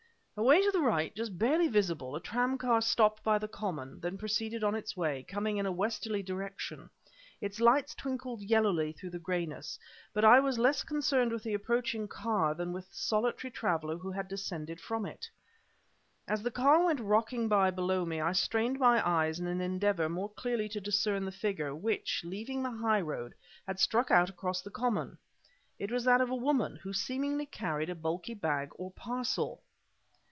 Away to the right, and just barely visible, a tramcar stopped by the common; then proceeded on its way, coming in a westerly direction. Its lights twinkled yellowly through the grayness, but I was less concerned with the approaching car than with the solitary traveler who had descended from it. As the car went rocking by below me, I strained my eyes in an endeavor more clearly to discern the figure, which, leaving the highroad, had struck out across the common. It was that of a woman, who seemingly carried a bulky bag or parcel.